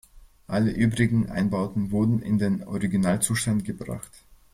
Alle übrigen Einbauten wurden in den Originalzustand gebracht.